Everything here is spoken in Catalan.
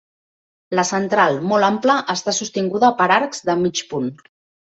La central, molt ampla, està sostinguda per arcs de mig punt.